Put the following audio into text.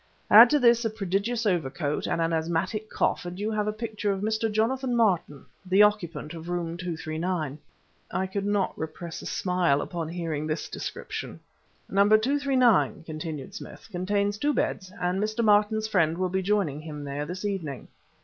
Add to this a prodigious overcoat and an asthmatic cough, and you have a picture of Mr. Jonathan Martin, the occupant of room No. 239." I could not repress a smile upon hearing this description. "No. 239," continued Smith, "contains two beds, and Mr. Martin's friend will be joining him there this evening."